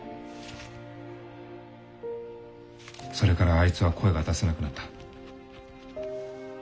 それからあいつは声が出せなくなった。